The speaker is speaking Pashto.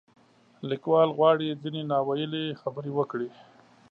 لیکوال غواړي ځینې نا ویلې خبرې وکړي.